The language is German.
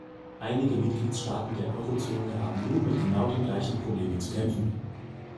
Einige Mitgliedstaaten der Eurozone haben nun mit genau den gleichen Problemen zu kämpfen.